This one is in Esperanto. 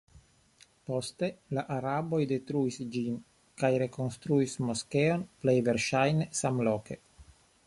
Poste la araboj detruis ĝin kaj rekonstruis moskeon plej verŝajne samloke.